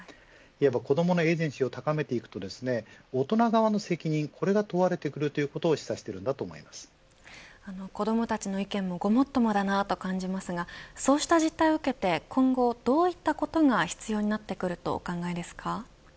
子どものエージェンシーを高めていくと大人側の責任、これが問われてくるということを子どもたちの意見もごもっともだなと感じますがそうした実態を受けて今後どういったことが必要になってくるとお考えですか。